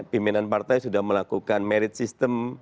pimpinan partai sudah melakukan merit system